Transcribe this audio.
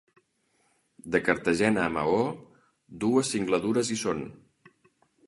De Cartagena a Maó, dues singladures hi són.